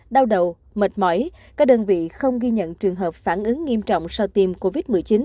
đau đầu mệt mỏi các đơn vị không ghi nhận trường hợp phản ứng nghiêm trọng sau tiêm covid một mươi chín